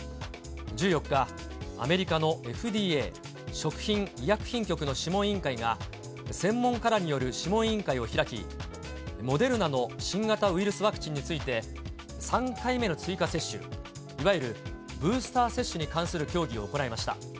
１４日、アメリカのＦＤＡ・食品医薬品局の諮問委員会が、専門家らによる諮問委員会を開き、モデルナの新型ウイルスワクチンについて、３回目の追加接種、いわゆるブースター接種に関する協議を行いました。